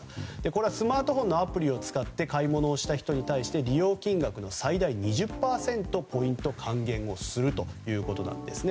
これはスマホのアプリを使って買い物した人に対し利用金額の最大２０％ポイント還元するということです。